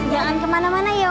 jangan kemana mana ya